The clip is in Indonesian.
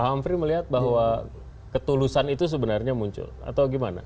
pak ampri melihat bahwa ketulusan itu sebenarnya muncul atau gimana